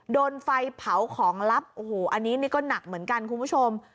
โดนไฟเผาของลับโอ้โหอันนี้นี่ก็หนักเหมือนกันคุณผู้ชม